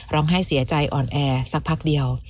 ร้องไห้เสียใจอ่อนแอสักพักเดียว